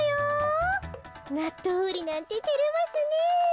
なっとううりなんててれますねえ。